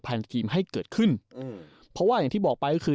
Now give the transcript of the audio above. ทีมให้เกิดขึ้นอืมเพราะว่าอย่างที่บอกไปก็คือ